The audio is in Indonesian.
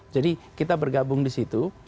jadi kita bergabung di situ